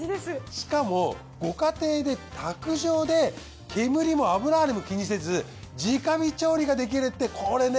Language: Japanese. しかもご家庭で卓上で煙も油ハネも気にせず直火調理ができるってこれね